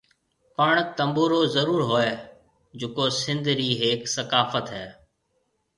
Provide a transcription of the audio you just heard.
پڻ تنبورو ضرور ھوئي جڪو سنڌ ري ھيَََڪ ثقافت ھيَََ